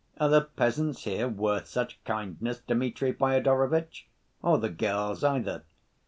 Are the peasants here worth such kindness, Dmitri Fyodorovitch, or the girls either?